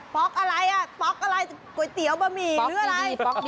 ป๊อกอะไรอ่ะป๊อกอะไรก๋วยเตี๋ยวบะหมี่หรืออะไร